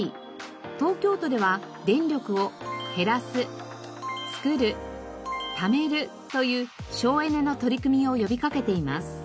東京都では電力を「へらす」「つくる」「ためる」という省エネの取り組みを呼び掛けています。